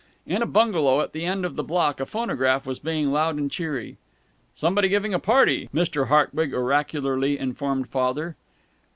In a bungalow at the end of the block a phonograph was being loud and cheery. "Somebody giving a party," Mr. Hartwig oracularly informed Father.